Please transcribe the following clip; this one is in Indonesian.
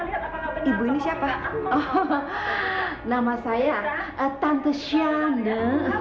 maaf ibu ini siapa nama saya tante syana